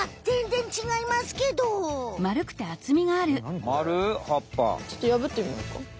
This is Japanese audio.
ちょっとやぶってみようか。